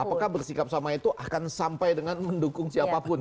apakah bersikap sama itu akan sampai dengan mendukung siapapun